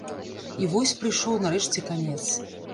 І вось прыйшоў нарэшце канец.